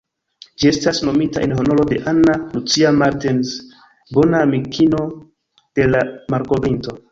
Ĝi estis nomita en honoro de "Ana Lucia Martins", bona amikino de la malkovrinto.